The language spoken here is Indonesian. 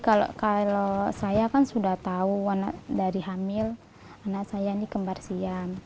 kalau saya kan sudah tahu dari hamil anak saya ini kembar siam